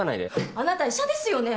あなた医者ですよね？